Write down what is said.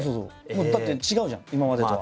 もうだって違うじゃん今までとは。